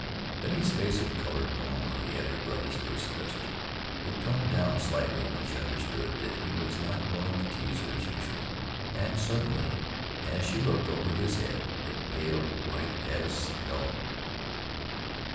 Betty's face had colored warmly at her brother's first question; it toned down slightly when she understood that he was not going to tease her as usual, and suddenly, as she looked over his head, it paled white as snow.